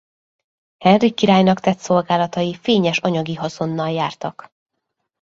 Henrik királynak tett szolgálatai fényes anyagi haszonnal jártak.